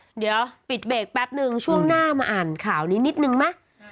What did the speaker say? เดี๋ยวปิดเบรกแป๊บนึงช่วงหน้ามาอ่านข่าวนี้นิดนึงไหม